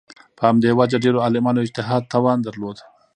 په همدې وجه ډېرو عالمانو اجتهاد توان درلود